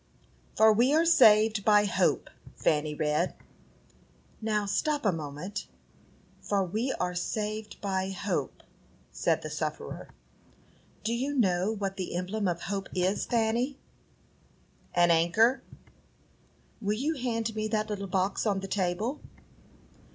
"'For we are saved by hope,'" Fanny read. "Now, stop a moment: 'For we are saved by hope,'" said the sufferer. "Do you know what the emblem of Hope is, Fanny?" "An anchor." "Will you hand me that little box on the table?"